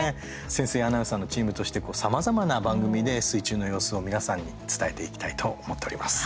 潜水アナウンサーのチームとしてさまざまな番組で水中の様子を皆さんに伝えていきたいと思っております。